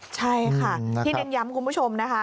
ใช่ค่ะที่เน้นย้ำคุณผู้ชมนะคะ